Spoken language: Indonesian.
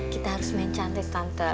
kita harus main cantik tante